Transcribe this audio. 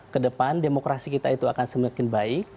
ke depan demokrasi kita itu akan semakin baik